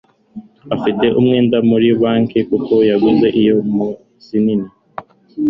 afite umwenda muri banki kuko yaguze iyo nzu nini